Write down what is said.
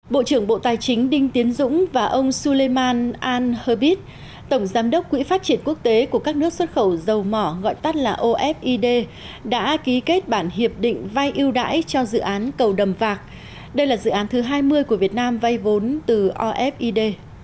bộ trưởng bộ tài chính đinh tiến dũng và ông sulliman al herbit tổng giám đốc quỹ phát triển quốc tế của các nước xuất khẩu dầu mỏ gọi tắt là ofid đã ký kết bản hiệp định vay ưu đãi cho dự án cầu đầm vạc đây là dự án thứ hai mươi của việt nam vay vốn từ ofid